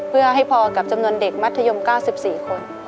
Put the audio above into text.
เพื่อให้พอกับจำนวนเด็กมัธยม๙๔คน